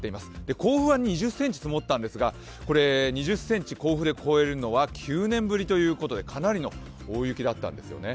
甲府は２０ｃｍ積もったんですが、甲府で２０ｃｍを超えるのは９年ぶりということでかなりの大雪だったんですよね。